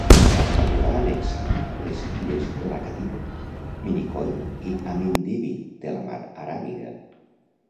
També va annexar les illes Laccadive, Minicoy i Amindivi de la mar Aràbiga.